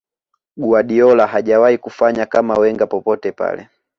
guardiola hajawahi kufanya kama wenger popote pale